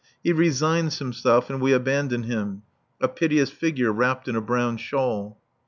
He resigns himself, and we abandon him, a piteous figure wrapped in a brown shawl.